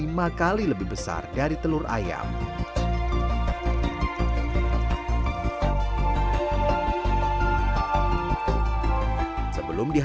merauk beli sampah